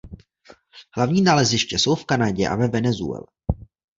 Hlavní naleziště jsou v Kanadě a ve Venezuele.